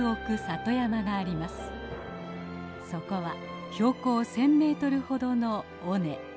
そこは標高１，０００メートルほどの尾根。